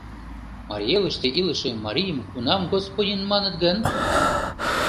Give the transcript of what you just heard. Марий Элыште илыше марийым кунам господин маныт гын?!